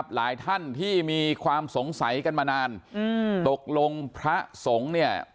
หลายท่านที่มีความสงสัยกันมานานตกลงพระสงฆ์เนี่ย